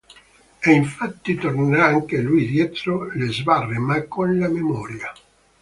E infatti tornerà anche lui dietro le sbarre, ma con la memoria.